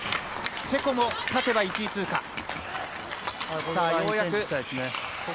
チェコも勝てば１位通過。